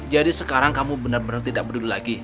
jadi sekarang kamu bener bener tidak berdua lagi